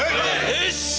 よし！